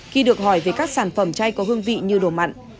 khi được hỏi về các sản phẩm chay có hương vị như đồ mặn